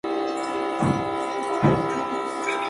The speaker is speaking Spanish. Tales cursos de agua forman parte de la cuenca del río Biobío.